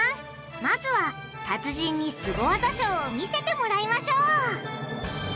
まずは達人にスゴ技ショーを見せてもらいましょう！